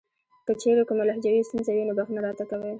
کچېرې کومه لهجوي ستونزه وي نو بښنه راته کوئ .